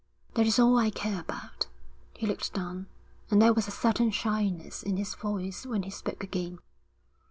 'That is all I care about.' He looked down, and there was a certain shyness in his voice when he spoke again.